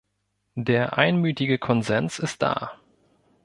Der einmütige Konsens ist da.